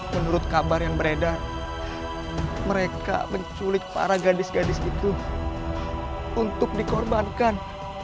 menurut kabar yang beredar mereka menculik para gadis gadis itu untuk dikorbankan